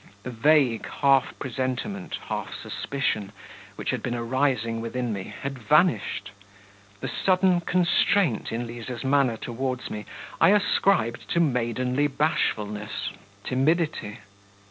The vague half presentiment, half suspicion, which had been arising within me, had vanished. The sudden constraint in Liza's manner towards me I ascribed to maidenly bashfulness, timidity....